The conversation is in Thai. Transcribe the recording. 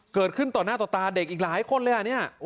เกิดขึ้นต่อหน้าต่อตาเด็กอีกหลายคนเลย